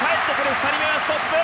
２人目はストップ。